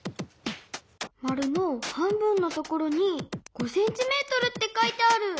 まるの半分のところに５ｃｍって書いてある。